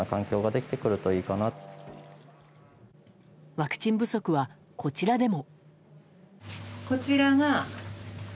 ワクチン不足は、こちらでも。